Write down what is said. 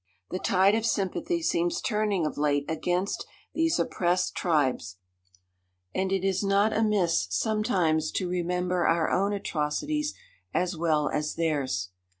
The tide of sympathy seems turning of late against these oppressed tribes, and it is not amiss sometimes to remember our own atrocities as well as theirs.